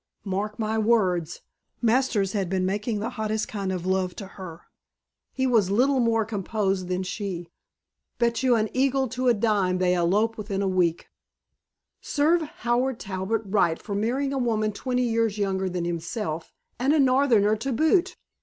Mark my words, Masters had been making the hottest kind of love to her he was little more composed than she. Bet you an eagle to a dime they elope within a week." "Serve Howard Talbot right for marrying a woman twenty years younger than himself and a Northerner to boot.